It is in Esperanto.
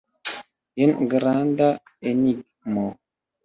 Jen granda enigmo!